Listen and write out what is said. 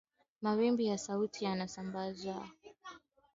mawimbi ya sauti yanasambazwa na antena ya kituo cha redio